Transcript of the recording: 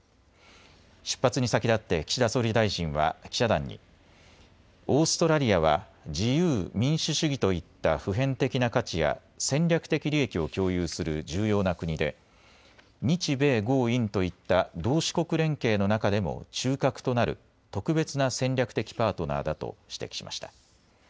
出発に先立って岸田総理大臣は記者団にオーストラリアは自由・民主主義といった普遍的な価値や戦略的利益を共有する重要な国で日米豪印といった同志国連携の中でも中核となる特別な戦略的パートナーだと指摘しました。